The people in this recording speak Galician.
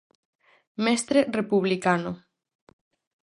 Mestre republicano.